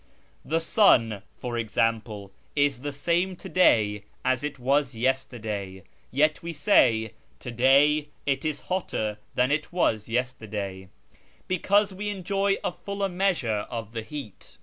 The sun, for example, is the same to day as it was yesterday, yet we say, ' To day it is hotter than it w^as yesterday,' because we enjoy a fuller measure of its heat.